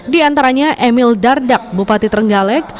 di antaranya emil dardak bupati trenggalek